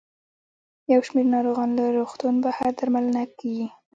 یو شمېر ناروغان له روغتون بهر درملنه کیږي.